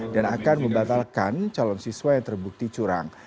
dan akan membatalkan calon siswa yang terbukti curang